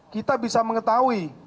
kita bisa mengetahui